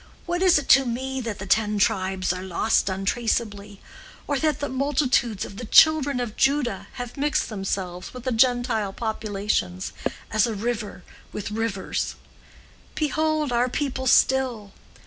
What is it to me that the ten tribes are lost untraceably, or that multitudes of the children of Judah have mixed themselves with the Gentile populations as a river with rivers? Behold our people still!